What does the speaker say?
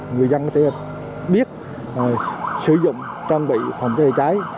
người dân có thể biết sử dụng trang bị phòng cháy cháy